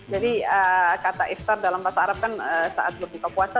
jadi kata iftar dalam bahasa arab kan saat berbuka puasa